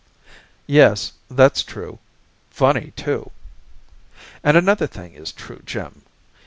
"Yes, that's true. Funny, too!" "And another thing is true, Jim.